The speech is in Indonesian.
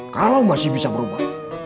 kalau masih bisa berubah